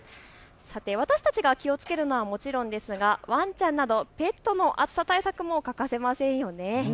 私たちが気をつけるのはもちろんですがワンちゃんなどペットの暑さ対策も欠かせませんよね。